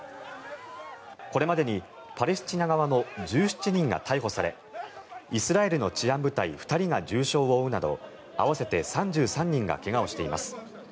これまでにパレスチナ側の１７人が逮捕されイスラエルの治安部隊２人が重傷を負うなど合わせて３３人が怪我をしています。